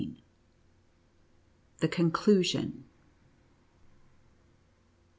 THE CONCLUSION.